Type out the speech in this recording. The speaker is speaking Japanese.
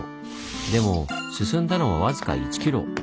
でも進んだのは僅か１キロ。